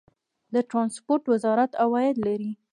د ټرانسپورټ وزارت عواید لري؟